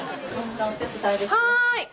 はい！